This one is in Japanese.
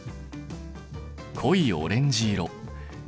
濃いオレンジ色。